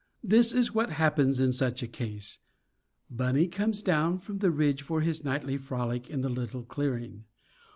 This is what happens in such a case. Bunny comes down from the ridge for his nightly frolic in the little clearing.